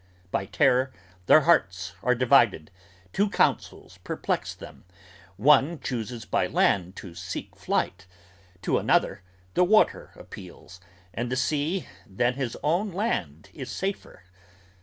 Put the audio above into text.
By terror their hearts are divided: two counsels perplex them! One chooses by land to seek flight: to another, the water Appeals, and the sea than his own land is safer!